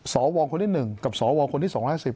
สวคนที่๑กับสวคนที่๒๕๐